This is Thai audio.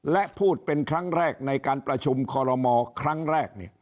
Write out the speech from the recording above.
และพูดเป็นครั้งแรกในการประชุมคอลโลมอครั้งแรก